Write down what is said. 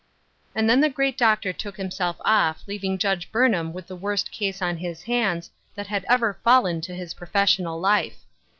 And then the great doctor took himself ofi leaving Judge Burnham with the worst case on his hands that had ever fallen to his professional life.